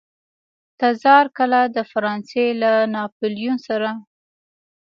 تزار کله د فرانسې له ناپلیون سره.